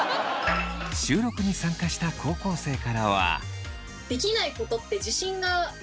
収録に参加した高校生からは。